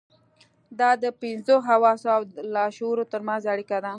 دا د پنځو حواسو او لاشعور ترمنځ اړيکه ده.